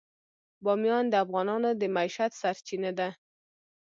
بامیان د افغانانو د معیشت سرچینه ده.